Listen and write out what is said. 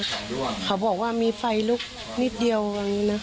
เขาบอกว่ามีไฟลุกนิดเดียว